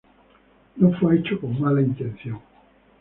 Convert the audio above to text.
No fue hecho con mala intención.